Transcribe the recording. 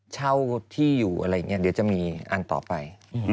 เช่าที่อยู่อะไรอย่างนี้เดี๋ยวจะมีอันต่อไป